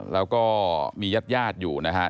แล้วก็มีญาติญาติอยู่นะครับ